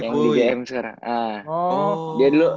yang di gm sekarang